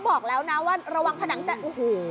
บอกแล้วนะว่าระวังผนังจะโอ้โห